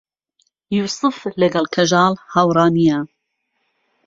یووسف لەگەڵ کەژاڵ هاوڕا نییە.